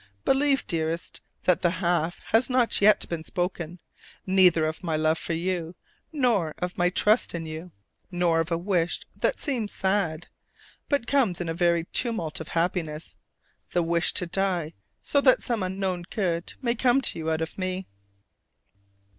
Believe, dearest, that the half has not yet been spoken, neither of my love for you, nor of my trust in you, nor of a wish that seems sad, but comes in a very tumult of happiness the wish to die so that some unknown good may come to you out of me.